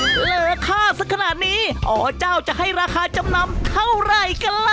เหลือค่าสักขนาดนี้อเจ้าจะให้ราคาจำนำเท่าไหร่กันล่ะ